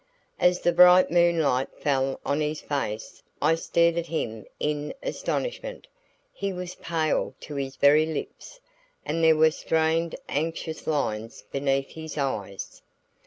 As the bright moonlight fell on his face, I stared at him in astonishment. He was pale to his very lips and there were strained anxious lines beneath his eyes.